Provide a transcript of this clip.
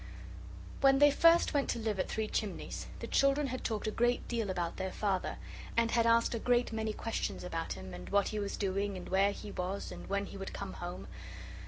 When they first went to live at Three Chimneys, the children had talked a great deal about their Father, and had asked a great many questions about him, and what he was doing and where he was and when he would come home.